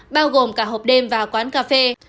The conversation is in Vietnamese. bao gồm cả hộp đêm và quán cà phê